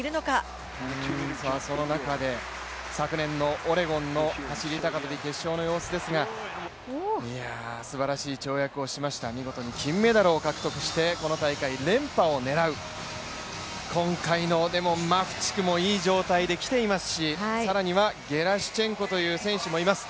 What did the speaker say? その中で、昨年のオレゴンの走高跳決勝の様子ですがすばらしい跳躍をしました、見事に金メダルを獲得しましてこの大会連覇を狙う今回のマフチクもいい状態できていますし更にはゲラシュチェンコという選手もいます。